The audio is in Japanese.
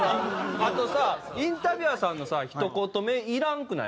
あとさインタビュアーさんのさひと言目いらんくない？